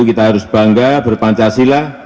kita harus bangga ber pancasila